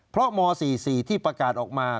เพราะม๔๔ที่ประกาศออกมา